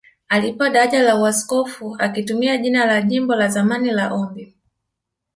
Alipewa daraja la Uaskofu akitumia jina la jimbo la zamani la Ombi